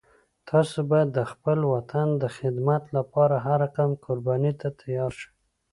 تاسو باید د خپل وطن د خدمت لپاره هر رقم قربانی ته تیار شئ